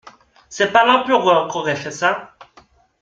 C'est pas l'Empereur qu'aurait fait ça!